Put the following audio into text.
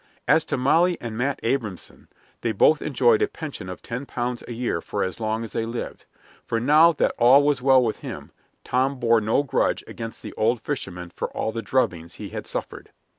As to Molly and Matt Abrahamson, they both enjoyed a pension of ten pounds a year for as long as they lived; for now that all was well with him, Tom bore no grudge against the old fisherman for all the drubbings he had suffered.